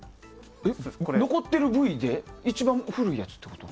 これ、残ってるＶで一番古いやつってこと？